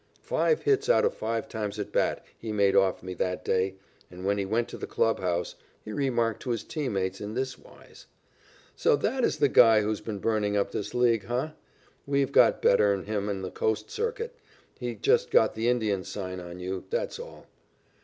Five hits out of five times at bat he made off me that day, and, when he went to the clubhouse, he remarked to his team mates in this wise: "So that is the guy who has been burning up this League, huh? We've got better 'n him in the coast circuit. He's just got the Indian sign on you. That's all."